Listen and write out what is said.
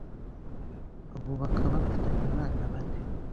ubu bakaba bafitanye abana bane